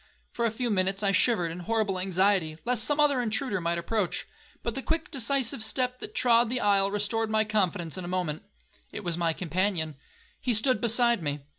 For a few minutes I shivered in horrible anxiety, lest some other intruder might approach, but the quick decisive step that trod the aisle restored my confidence in a moment,—it was my companion. He stood beside me.